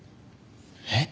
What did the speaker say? えっ？